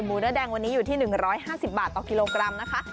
เนื้อแดงวันนี้อยู่ที่๑๕๐บาทต่อกิโลกรัมนะคะ